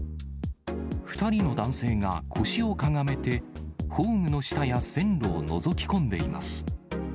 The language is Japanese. ２人の男性が腰をかがめて、ホームの下や線路をのぞき込んでいます。